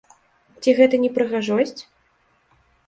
Ці гэта не прыгажосць?